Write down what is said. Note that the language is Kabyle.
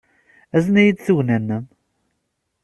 Azen-iyi-d tugna-nnem.